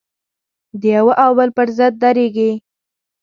د یوه او بل پر ضد درېږي.